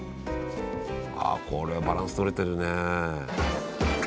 ああこれバランス取れてるね。